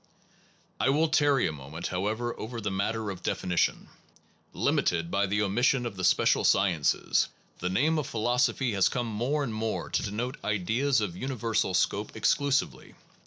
I will tarry a moment, however, over the matter of definition. Limited by the omission of the special sciences, the name of philosophy 4 PHILOSOPHY AND ITS CRITICS has come more and more to denote ideas of universal scope exclusively.